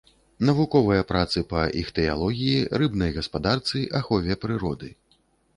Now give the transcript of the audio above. Навуковыя працы па іхтыялогіі, рыбнай гаспадарцы, ахове прыроды.